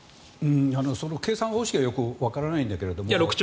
その計算方式はよくわからないんだけど。